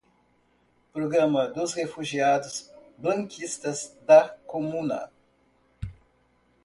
Programa dos Refugiados Blanquistas da Comuna